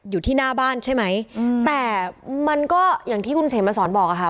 อยู่ที่หน้าบ้านใช่ไหมแต่มันก็อย่างที่คุณเขมมาสอนบอกอะค่ะ